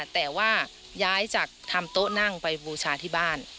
แต่ว่าย้ายจากทำโต๊ะนั่งไปบูชาที่บ้าน